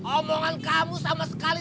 omongan kamu sama sekali